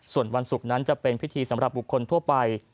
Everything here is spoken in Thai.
ส่วนวันศุกร์นั้นจะเป็นพิธีสำหรับบุคคลทั่วไป